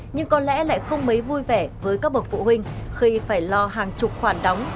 nhưng có lẽ lại không mấy vui vẻ với các bậc phụ huynh khi phải lo hàng chục khoản đóng